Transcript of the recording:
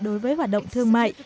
đối với hoạt động thương mại